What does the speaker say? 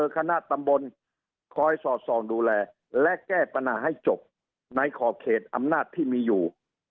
คณะตำบลคอยสอดส่องดูแลและแก้ปัญหาให้จบในขอบเขตอำนาจที่มีอยู่